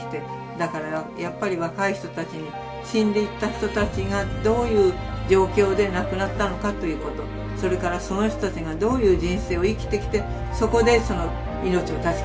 だからやっぱり若い人たちに死んでいった人たちがどういう状況で亡くなったのかということそれからその人たちがどういう人生を生きてきてそこで命を断ち切られたかということを。